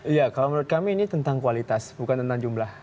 iya kalau menurut kami ini tentang kualitas bukan tentang jumlah